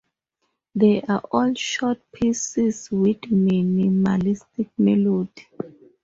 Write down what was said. They are all short pieces with minimalistic melody.